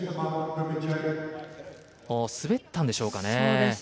滑ったんでしょうかね。